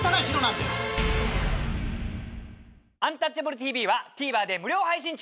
「アンタッチャブるＴＶ」はＴＶｅｒで無料配信中！